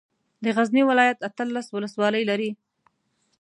د غزني ولايت اتلس ولسوالۍ لري.